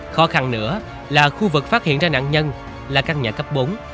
khó khăn nữa là khu vực phát hiện ra nạn nhân là căn nhà cấp bốn